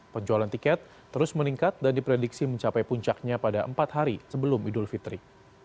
penjualan tiket terus meningkat dan diprediksi mencapai puncaknya pada empat hari sebelum idul fitri